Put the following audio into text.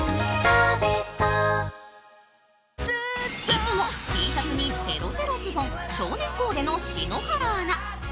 いつもＴシャツにテロテロズボン少年コーデの篠原アナ。